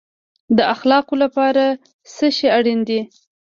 د اخلاقو لپاره څه شی اړین دی؟